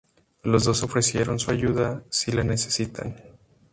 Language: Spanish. Los dos se ofrecen su ayuda si la necesitan.